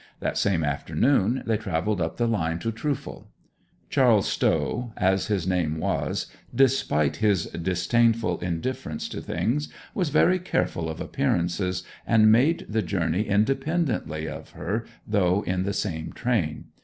That same afternoon they travelled up the line to Trufal. Charles Stow (as his name was), despite his disdainful indifference to things, was very careful of appearances, and made the journey independently of her though in the same train.